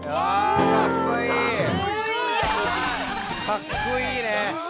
かっこいいね！